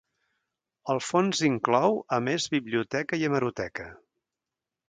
El fons inclou, a més biblioteca i hemeroteca.